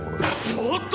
ちょっと！